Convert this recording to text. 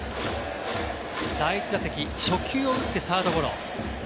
第１打席、初球を打ってサードゴロ。